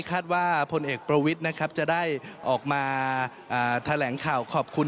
คาดว่าพลเอกประวิทย์นะครับจะได้ออกมาแถลงข่าวขอบคุณ